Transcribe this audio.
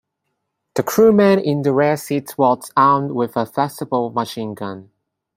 The crewman in the rear seat was armed with a flexible machine gun.